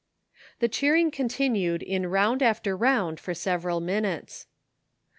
The cheering continued in roimd after round for several minutes.